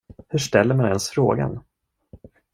Hur ställer man ens frågan?